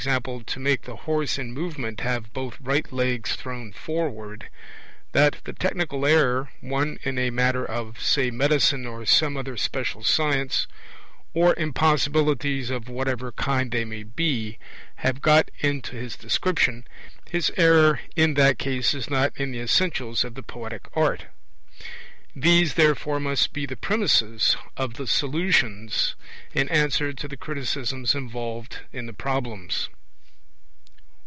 to make the horse in movement have both right legs thrown forward) that the technical error (one in a matter of, say, medicine or some other special science), or impossibilities of whatever kind they may be, have got into his description, his error in that case is not in the essentials of the poetic art. These, therefore, must be the premisses of the Solutions in answer to the criticisms involved in the Problems.